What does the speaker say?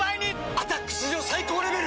「アタック」史上最高レベル！